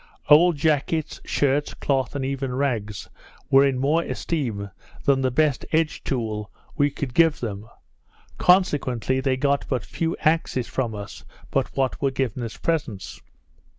Old jackets, shirts, cloth, and even rags, were in more esteem than the best edge tool we could give them; consequently they got but few axes from us but what were given as presents.